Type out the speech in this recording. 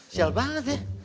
sial banget ya